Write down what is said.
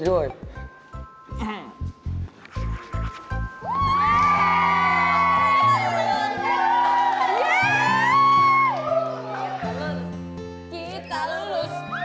tunggu tunggu tunggu